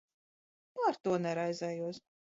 Par to neraizējos.